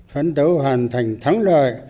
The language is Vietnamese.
phấn đấu hoàn thành thắng lợi